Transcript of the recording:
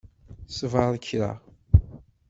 Sbeṛ kra.